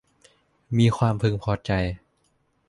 มีความพึงพอใจ